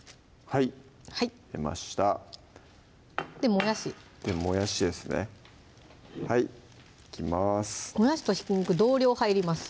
はいいきます